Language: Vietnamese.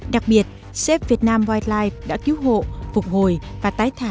đặc biệt xếp việt nam wildlife đã cứu hộ phục hồi và tái thả